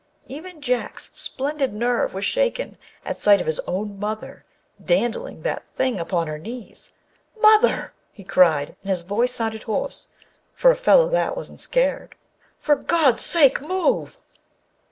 Even Jack's splendid nerve was shaken at sight of his own mother dandling that Thing upon her knees. " Mother !" he cried, and his voice sounded hoarse (for a fellow that wasn't scared), "for God's sake, move!"